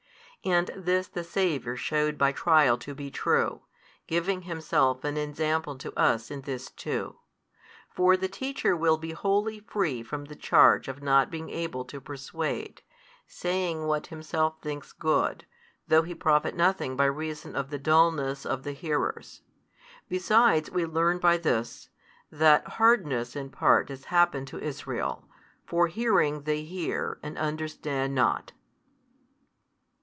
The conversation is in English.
And this the Saviour shewed by trial to be true, giving Himself an ensample to us in this too. For the teacher will be wholly free from the charge of not being able to persuade, saying what himself thinks good, though he profit nothing by reason of the dulness of the hearers. Besides we learn by this, that hardness in part is happened to Israel. For hearing they hear and understand not.